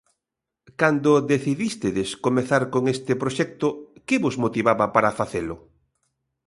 Cando decidístedes comezar con este proxecto que vos motivaba para facelo?